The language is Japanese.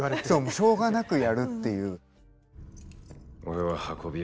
しょうがなくやるっていう。